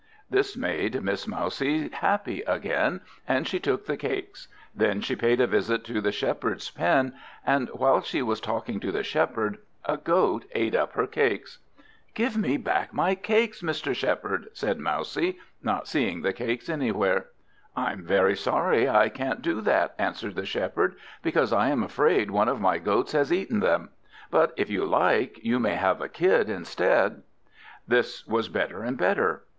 This made Miss Mousie happy again, and she took the Cakes. Then she paid a visit to the Shepherd's pen; and while she was talking to the Shepherd, a Goat ate up her cakes. "Give me back my Cakes, Mr. Shepherd," said Mousie, not seeing the Cakes anywhere. "I'm very sorry I can't do that," answered the Shepherd, "because I am afraid one of my goats has eaten them; but if you like, you may have a Kid instead." This was better and better.